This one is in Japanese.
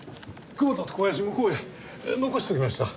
久保田と小林は向こうへ残しておきました。